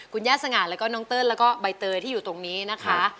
คุณย่าสง่าแล้วก็น้องเติ้ลแล้วก็ใบเตยที่อยู่ตรงนี้นะคะ